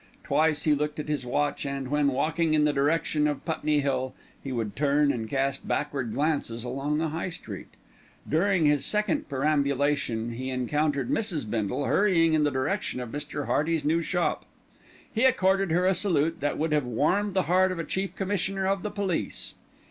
Twice he looked at his watch and, when walking in the direction of Putney Hill, he would turn and cast backward glances along the High Street. During his second perambulation he encountered Mrs. Bindle hurrying in the direction of Mr. Hearty's new shop. He accorded her a salute that would have warmed the heart of a Chief Commissioner of the Police.